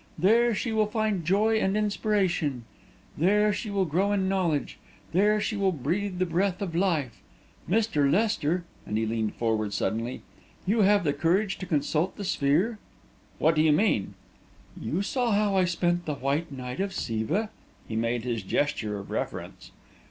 There she will find joy and inspiration; there she will grow in knowledge; there she will breathe the breath of life! Mr. Lester," and he leaned forward suddenly, "have you the courage to consult the sphere?" "What do you mean?" "You saw how I spent the White Night of Siva," and he made his gesture of reverence.